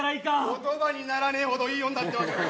「言葉にならねえほどいい女ってわけか。